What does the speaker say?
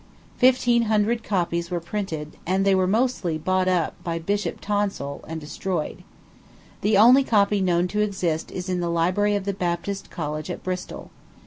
Fifteen hundred copies were printed, and they were mostly bought up by Bishop Tonstall, and destroyed. The only copy known to exist is in the library of the Baptist College at Bristol.